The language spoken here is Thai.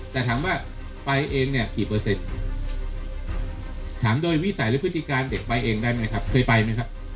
แต่ถามว่าไปเองเนี่ยกี่เปอร์เซ็นต์ถามโดยวิสัยหรือพฤติการเด็กไปเองได้ไหมครับเคยไปไหมครับ